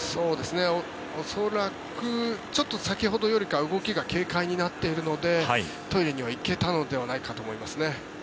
恐らくちょっと先ほどよりかは動きが軽快になっているのでトイレには行けたのではないかと思います。